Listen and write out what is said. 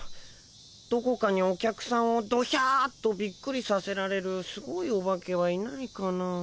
どこかにお客さんをどひゃっとビックリさせられるすごいオバケはいないかなあ。